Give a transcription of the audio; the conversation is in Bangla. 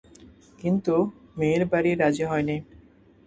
কিন্তু মেয়ের বাড়ি রাজি হয়নি।